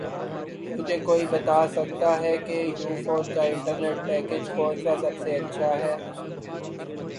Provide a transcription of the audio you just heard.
مجھے کوئی بتا سکتا ہے کہ یوفون کا انٹرنیٹ پیکج کون سا سب سے اچھا ہے